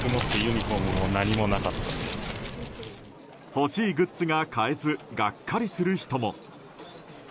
欲しいグッズが買えずがっかりする人も。